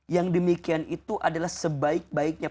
yang demikian itu adalah sebaik baiknya